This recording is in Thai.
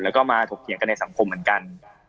แล้วก็มาถกเถียงกันในสังคมเหมือนกัน